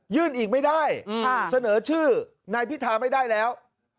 อีกไม่ได้เสนอชื่อนายพิธาไม่ได้แล้ว